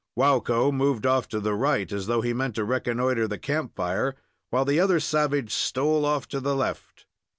Waukko moved off to the right, as though he meant to reconnoiter the camp fire, while the other savage stole off to the left.